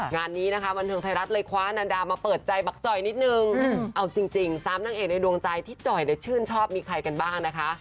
งานนี้นะคะบันเทิงไทยรัฐเลยคว้านันดามาเปิดใจบักจ่อยนิดนึงเอาจริง๓นางเอกในดวงใจที่จ่อยชื่นชอบมีใครกันบ้างนะคะ